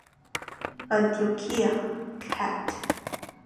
Antioquia: Cat.